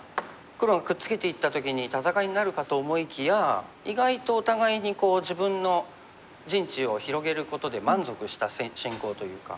黒がくっつけていった時に戦いになるかと思いきや意外とお互いに自分の陣地を広げることで満足した進行というか。